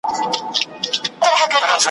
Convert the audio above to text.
لکه د بزم د پانوس په شپه کي ,